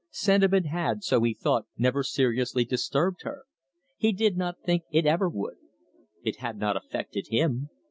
Sentiment had, so he thought, never seriously disturbed her; he did not think it ever would. It had not affected him.